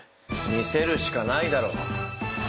見せるしかないだろう